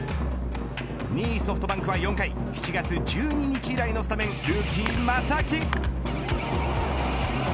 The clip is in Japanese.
２位ソフトバンクは４回７月１２日以来のスタメンルーキー、正木。